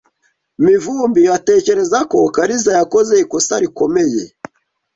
Mivumbi atekereza ko Kariza yakoze ikosa rikomeye.